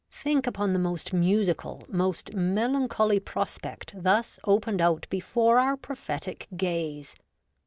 Think upon the most musical, most melancholy prospect thus opened out before our prophetic gaze